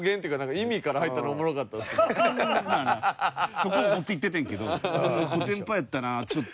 そこ持っていっててんけどコテンパンやったなちょっと。